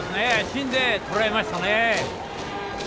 芯で捉えましたね。